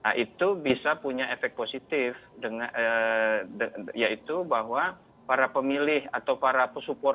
nah itu berarti kan itu berarti nasdem berupaya mengasosiasikan diri lebih kuat dengan dua nama populer ini terutama anies dan ganjar